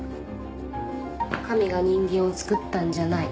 神が人間をつくったんじゃない。